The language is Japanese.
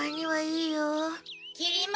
きり丸。